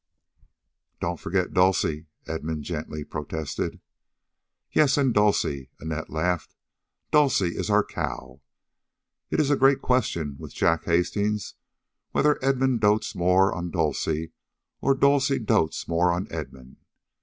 "Don't forget Dulcie," Edmund gently protested. "Yes, and Dulcie." Annette laughed. "Dulcie is our cow. It is a great question with Jack Hastings whether Edmund dotes more on Dulcie, or Dulcie dotes more on Edmund.